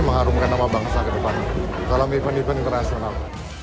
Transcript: mengharumkan nama bangsa ke depan dalam event event internasional